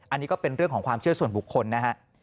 อันนี้ก็เป็นเรื่องของความเชื่อส่วนบุคคลนะฮะ